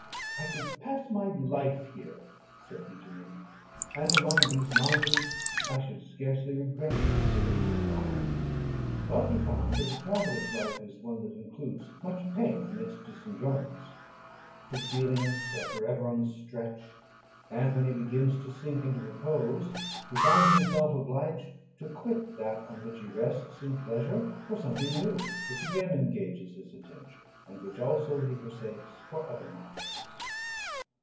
"I could pass my life here," said he to me; "and among these mountains I should scarcely regret Switzerland and the Rhine." But he found that a traveller's life is one that includes much pain amidst its enjoyments. His feelings are for ever on the stretch; and when he begins to sink into repose, he finds himself obliged to quit that on which he rests in pleasure for something new, which again engages his attention, and which also he forsakes for other novelties.